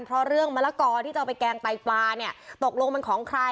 เพราะเรื่องมะละกอที่จะเอาไปแกงไตปลาเนี่ยตกลงมันของใคร